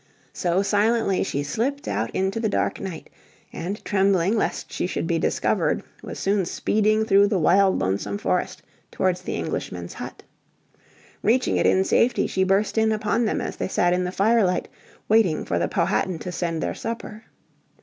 So silently she slipped out into the dark night and, trembling lest she should be discovered, was soon speeding through the wild lonesome forest towards the Englishmen's hut. Reaching it in safety she burst in upon them as they sat in the firelight waiting for the Powhatan to send their supper.